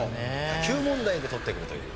野球問題で取ってくるという。